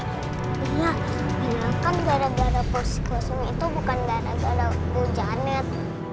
iya iya kan gara gara polsi kosong itu bukan gara gara bu janet